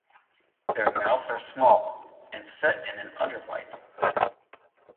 Their mouths are small and set in an underbite.